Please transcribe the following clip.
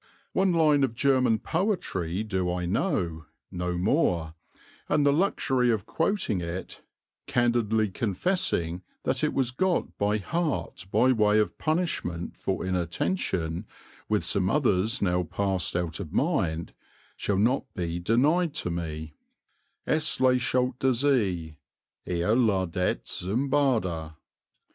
One line of German poetry do I know no more and the luxury of quoting it (candidly confessing that it was got by heart by way of punishment for inattention, with some others now passed out of mind), shall not be denied to me Es lächelt der see, er ladet züm Bade.